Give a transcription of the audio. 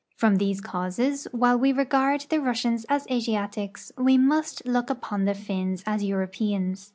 From these causes, while we regard the Rus sians as Asiatics, we must look upon tlie Finns as Europeans.